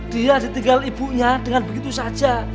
dia ditinggal ibunya dengan begitu saja